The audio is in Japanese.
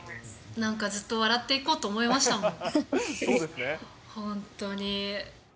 なんかずっと笑っていこうと思いましたもん、本当に。